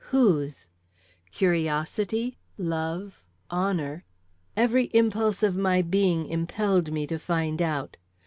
Whose? Curiosity, love, honor, every impulse of my being impelled me to find out.